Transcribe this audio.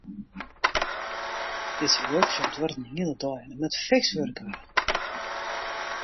Dizze workshop duorret in hiele dei en der moat fiks wurke wurde.